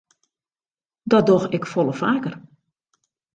Dat doch ik folle faker.